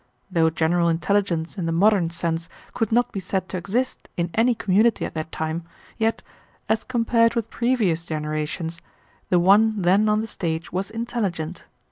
Though general intelligence in the modern sense could not be said to exist in any community at that time, yet, as compared with previous generations, the one then on the stage was intelligent.